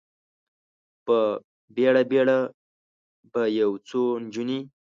په بیړه، بیړه به یو څو نجونې،